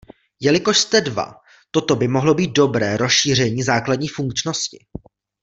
Jelikož jste dva, toto by mohlo být dobré rozšíření základní funkčnosti.